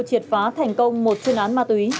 triệt phá thành công một chuyên án ma túy